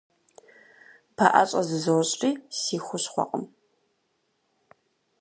Пэӏэщӏэ зызощӏри – си хущхъуэкъым.